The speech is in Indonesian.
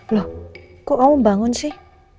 loh kok kamu membangun sih